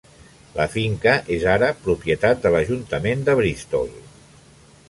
La finca és ara propietat de l'Ajuntament de Bristol.